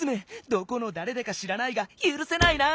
どこのだれだか知らないがゆるせないな！